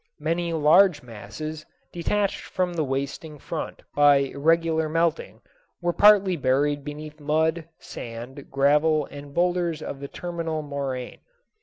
Many large masses, detached from the wasting front by irregular melting, were partly buried beneath mud, sand, gravel, and boulders of the terminal moraine.